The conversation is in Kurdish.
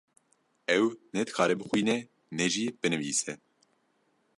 Ew ne dikare bixwîne ne jî binivîse.